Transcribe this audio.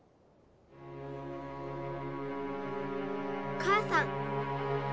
母さん。